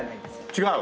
違う？